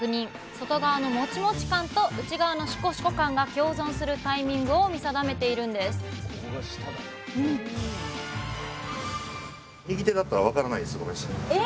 外側のモチモチ感と内側のシコシコ感が共存するタイミングを見定めているんですえ